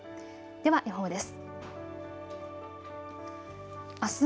では予報です。